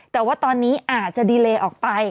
แต่ว่าตอนนี้อาจจะดีเลออกไป